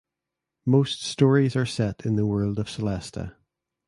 Most stories are set in the world of Celesta.